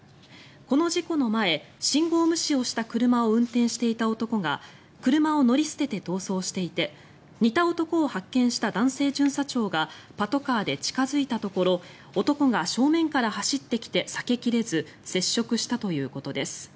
この事故の前信号無視をした車を運転していた男が車を乗り捨てて逃走していて似た男を発見した男性巡査長がパトカーで近付いたところ男が正面から走ってきて避け切れず接触したということです。